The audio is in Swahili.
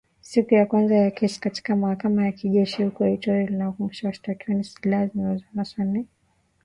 Siku ya kwanza ya kesi katika mahakama ya kijeshi huko Ituri iliwatambua washtakiwa na silaha zilizonaswa ni bunduki aina ya AK arobaini na saba na mamia ya risasi.